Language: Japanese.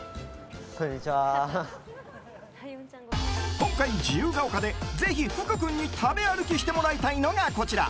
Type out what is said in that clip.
今回、自由が丘でぜひ福君に食べ歩きしてもらいたいのがこちら。